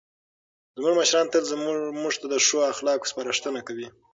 زموږ مشران تل موږ ته د ښو اخلاقو سپارښتنه کوي.